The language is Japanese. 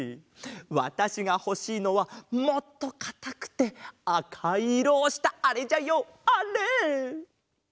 わたしがほしいのはもっとかたくてあかいいろをしたあれじゃよあれ！